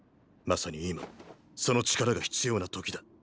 まさに今その力が必要な時だ。